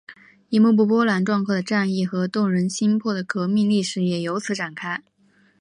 一幕幕波澜壮阔的战役和动人心魄的革命历史也由此展开。